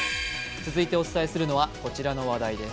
続いてお伝えするのはこちらの話題です。